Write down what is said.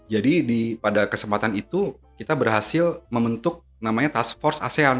jadi di pada kesempatan itu kita berhasil membentuk namanya task force asean